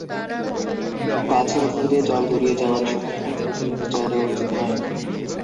গাছের ওপর দিয়ে জল গড়িয়ে যাওয়ার সময় এটাকে অতিরিক্ত জল দেওয়া উচিত নয়।